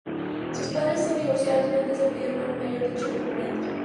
Sus padres son divorciados, Brendan es el medio hermano mayor de Cheryl Brady.